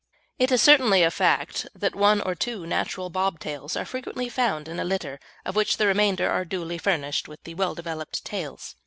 It is certainly a fact that one or two natural bob tails are frequently found in a litter of which the remainder are duly furnished with well developed tails.